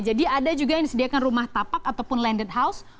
jadi ada juga yang disediakan rumah tapak ataupun landed house